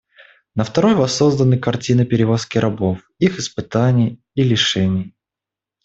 На второй воссозданы картины перевозки рабов, их испытаний и лишений.